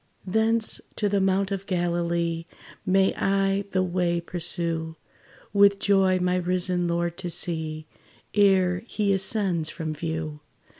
Thence to the mount of Galilee May I the way pursue, With joy my risen Lord to see, Ere he ascends from view.